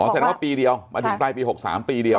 แสดงว่าปีเดียวมาถึงปลายปี๖๓ปีเดียว